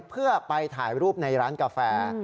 เพื่อไปถ่ายรูปในร้านกาแฟ